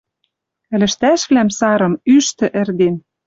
Ӹлӹштӓшвлӓм, сарым, ӱштӹ ӹрден